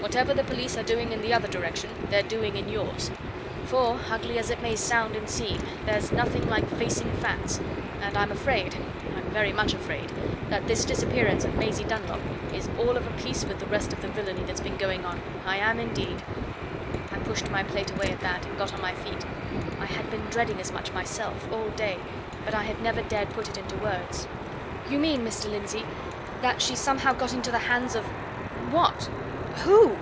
"Whatever the police are doing in the other direction, they're doing in yours. For, ugly as it may sound and seem, there's nothing like facing facts, and I'm afraid, I'm very much afraid, that this disappearance of Maisie Dunlop is all of a piece with the rest of the villainy that's been going on I am indeed!" I pushed my plate away at that, and got on my feet. I had been dreading as much myself, all day, but I had never dared put it into words. "You mean, Mr. Lindsey, that she's somehow got into the hands of what? who?"